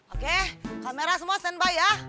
oke kamera semua siap